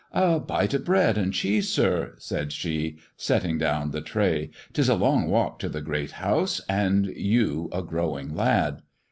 " A bite of bread and cheese, sir," said she, setting down the tray ;" 'tis a long walk to the Great House, and you a growing lad."